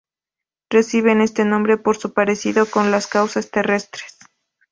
Reciben este nombre por su parecido con los cauces terrestres.